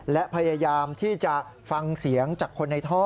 และพยายามที่จะฟังเสียงจากคนในท่อ